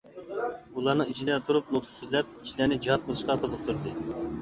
ئۇلارنىڭ ئىچىدە تۇرۇپ نۇتۇق سۆزلەپ، كىشىلەرنى جىھاد قىلىشقا قىزىقتۇردى.